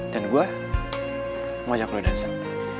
dan gue mau ajak lo dansen